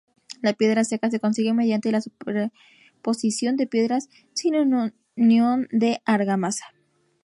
La piedra seca se consigue mediante la superposición de piedras sin unión de argamasa.